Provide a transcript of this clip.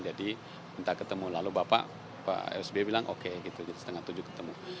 jadi minta ketemu lalu bapak pak sbi bilang oke gitu setengah tujuh ketemu